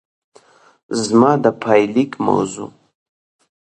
زما د پايليک موضوع